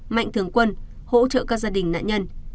mạnh thường quân hỗ trợ các gia đình nạn nhân